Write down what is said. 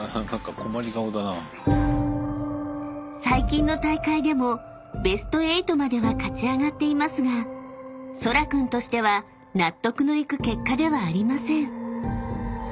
［最近の大会でもベスト８までは勝ち上がっていますがそら君としては納得のいく結果ではありません］